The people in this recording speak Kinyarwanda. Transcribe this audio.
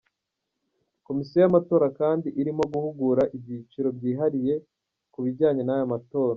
Komisiyo y’Amatora kandi irimo guhugura ibyiciro byihariye ku bijyanye n’aya matora.